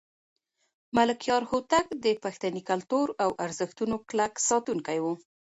ملکیار هوتک د پښتني کلتور او ارزښتونو کلک ساتونکی و.